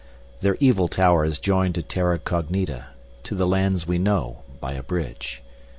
Their evil tower is joined to Terra Cognita, to the lands we know, by a bridge.